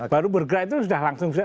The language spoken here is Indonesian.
baru bergerak itu sudah langsung bisa